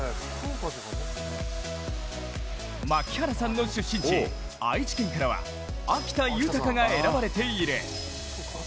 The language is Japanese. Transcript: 槙原さんの出身地、愛知県からは秋田豊が選ばれている。